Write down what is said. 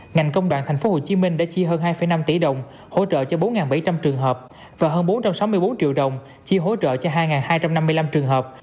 ngành công đoàn tp hcm đã chi hơn hai năm tỷ đồng hỗ trợ cho bốn bảy trăm linh trường hợp và hơn bốn trăm sáu mươi bốn triệu đồng chi hỗ trợ cho hai hai trăm năm mươi năm trường hợp